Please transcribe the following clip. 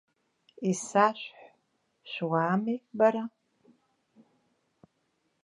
Исашәҳә, шәуаами, бара!